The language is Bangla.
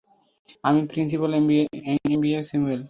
আমি প্রিন্সিপাল আম্বিয়া স্যামুয়েল।